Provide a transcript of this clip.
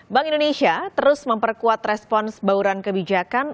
bank indonesia terus memperkuat respons bauran kebijakan